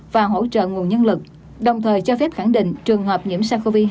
và hỗ trợ nguồn nhân lực đồng thời cho phép khẳng định trường hợp nhiễm sars cov hai